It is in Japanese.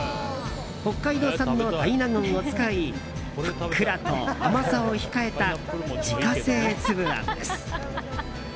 北海道産の大納言を使いふっくらと甘さを控えた自家製粒あんです。